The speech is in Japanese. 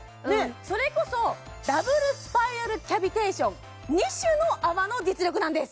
それこそダブルスパイラルキャビテーション２種の泡の実力なんです